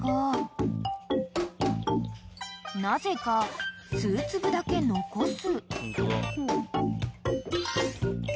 ［なぜか数粒だけ残す］